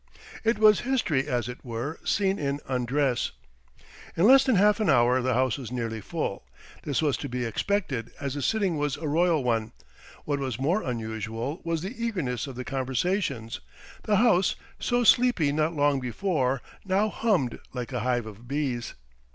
It was history, as it were, seen in undress. In less than half an hour the House was nearly full. This was to be expected, as the sitting was a royal one. What was more unusual was the eagerness of the conversations. The House, so sleepy not long before, now hummed like a hive of bees.